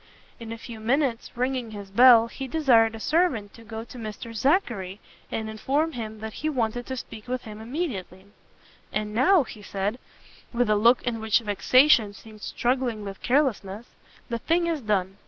In a few minutes, ringing his bell, he desired a servant to go to Mr Zackery, and inform him that he wanted to speak with him immediately. "And now," said he, with a look in which vexation seemed struggling with carelessness, "the thing is done!